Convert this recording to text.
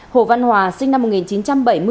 hồ văn hòa sinh năm một nghìn chín trăm bảy mươi